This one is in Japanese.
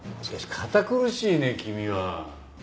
しかし堅苦しいね君は。